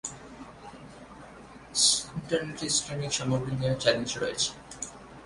ইন্টারনেটে স্ট্রিমিং সামগ্রী নিয়ে চ্যালেঞ্জ রয়েছে।